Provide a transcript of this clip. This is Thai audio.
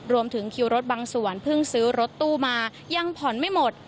รวมถึงคิวรถบางส่วนเพิ่งซื้อรถตู้มายังผ่อนไม่หมด